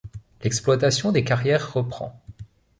L'exploitation des carrières reprend.